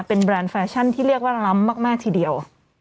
เป็นแบรนด์แฟชั่นที่เรียกว่าล้ำมากทีเดียว